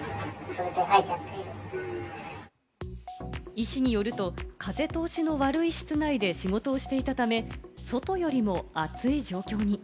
医師によると、風通しの悪い室内で仕事をしていたため、外よりも暑い状況に。